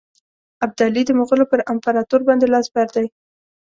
ابدالي د مغولو پر امپراطور باندي لاس بر دی.